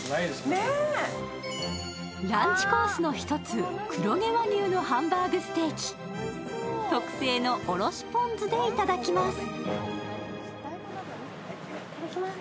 ランチコースの１つ、黒毛和牛のハンバーグステーキ、特製のおろしポン酢でいただきます。